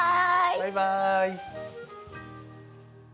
バイバイ！